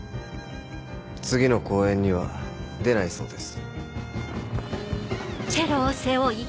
次の公演には出ないそうです。